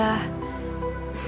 gugu bilang ke dia